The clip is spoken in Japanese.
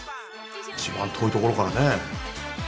一番遠いところからね。